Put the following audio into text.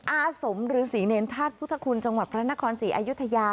อาสมฤษีเนรธาตุพุทธคุณจังหวัดพระนครศรีอายุทยา